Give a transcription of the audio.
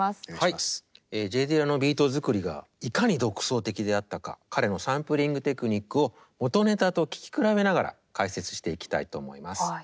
Ｊ・ディラのビート作りがいかに独創的であったか彼のサンプリングテクニックを元ネタと聴き比べながら解説していきたいと思います。